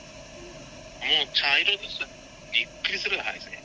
もう茶色でしたし、びっくりするぐらい速いですね。